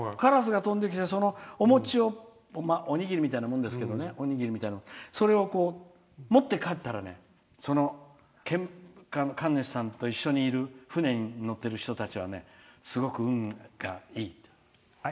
カラスが飛んできて、お餅をおにぎりみたいなもんですけどそれを持って帰ったらその神主さんと一緒にいる船に乗ってる人たちはすごく運がいい。